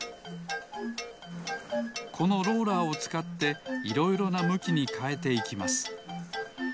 このローラーをつかっていろいろなむきにかえていきます。